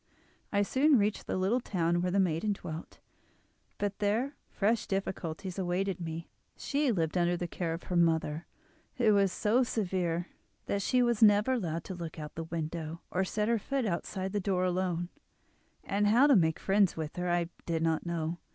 I soon reached the little town where the maiden dwelt; but there fresh difficulties awaited me. She lived under the care of her mother, who was so severe that she was never allowed to look out of the window, or set her foot outside the door alone, and how to make friends with her I did not know.